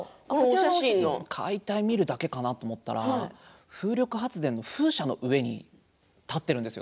解体見るだけかなと思ったら風力発電の風車の上に立っているんですよ。